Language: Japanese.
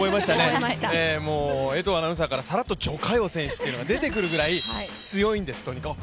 江藤アナウンサーからさらっと徐嘉余選手と出てくるくらい強いんです、とにかく。